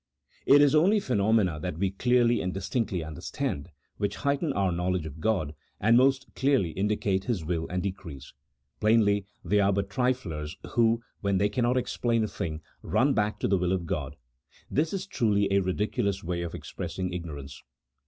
It is only phenomena that we clearly and distinctly under stand, which heighten our knowledge of God, and most clearly indicate His will and decrees. Plainly, they are but triflers who, when they cannot explain a thing, run back to the will of God ; this is, truly, a ridiculous way of expressing ignorance.